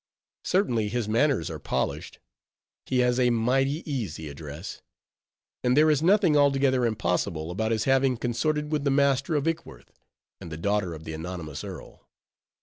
Certainly, his manners are polished, he has a mighty easy address; and there is nothing altogether impossible about his having consorted with the master of Ickworth, and the daughter of the anonymous earl.